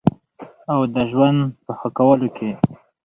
او د ژوند په ښه کولو کې